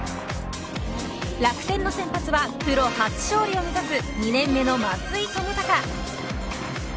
楽天の先発はプロ初勝利を目指す２年目の松井友飛。